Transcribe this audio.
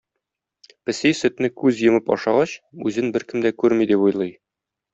Песи сөтне күз йомып ашагач, үзен беркем дә күрми дип уйлый.